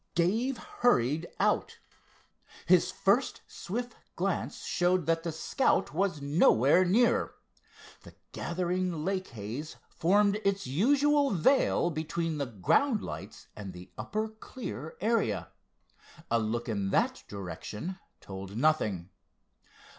Dave hurried out. His first swift glance showed that the Scout was nowhere near. The gathering lake haze formed its usual veil between the ground lights and the upper clear area. A look in that direction told nothing.